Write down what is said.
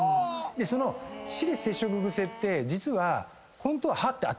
その歯列接触癖って実は。